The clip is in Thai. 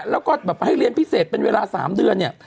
แล้วก็แบบให้เรียนพิเศษเป็นเวลา๓เดือนเนี่ย